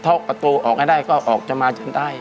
และผมก็ถ้าตัวออกไม่ได้ก็ออกจะมาเชิงใต้